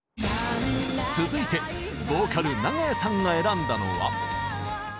続いてヴォーカル長屋さんが選んだのは。